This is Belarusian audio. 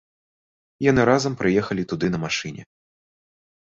Яны разам прыехалі туды на машыне.